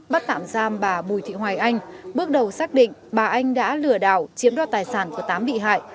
bắt tạm giam bà bùi thị hoài anh bước đầu xác định bà anh đã lừa đảo chiếm đoạt tài sản của tám bị hại